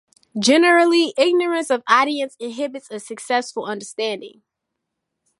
Generally ignorance of audience inhibits a successful understanding.